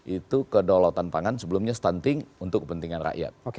itu kedaulatan pangan sebelumnya stunting untuk kepentingan rakyat